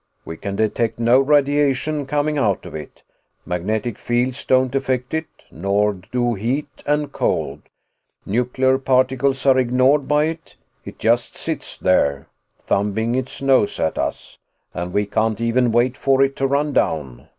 We can detect no radiation coming out of it. Magnetic fields don't effect it, nor do heat and cold. Nuclear particles are ignored by it; it just sits there thumbing its nose at us. And we can't even wait for it to run down.